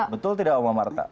betul tidak umar marta